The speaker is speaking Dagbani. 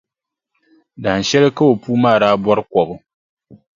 Dahinshɛli ka o puu maa daa bɔri kɔbu.